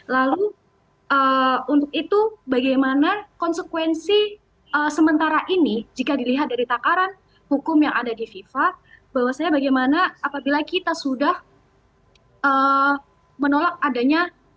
lalu untuk itu bagaimana konsekuensi sementara ini jika dilihat dari takaran hukum yang ada di fifa bahwasannya bagaimana apabila kita sudah menolak adanya